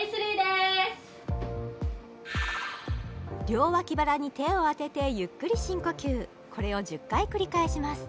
両脇腹に手を当ててゆっくり深呼吸これを１０回繰り返します